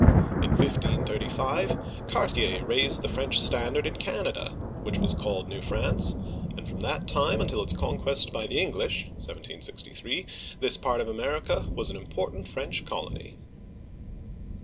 In 1535 Cartier(car tya') raised the French standard in Canada, which was called New France, and from that time until its conquest by the Eng lish (1763) this part of America was an important French colony.